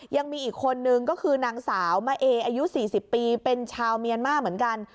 ยังมีอีกคนนึงก็คือนางสาวมะเออายุ๔๐ปีเป็นชาวเมียนมาร์เหมือนกัน